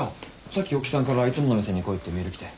さっき大木さんからいつもの店に来いってメール来て。